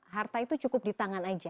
harta itu cukup di tangan aja